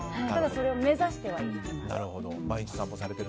それを目指してはいます。